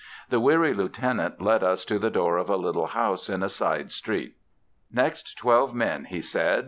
The weary lieutenant led us to the door of a little house in a side street. "Next twelve men," he said.